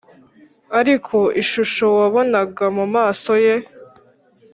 ariko ishusho wabonaga mumaso ye